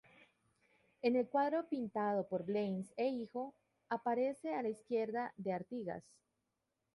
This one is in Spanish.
En el cuadro pintado por Blanes e hijo, aparece a la izquierda de Artigas.